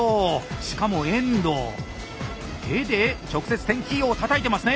しかも遠藤手で直接テンキーをたたいてますね？